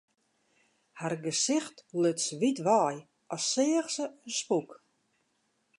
Har gesicht luts wyt wei, as seach se in spûk.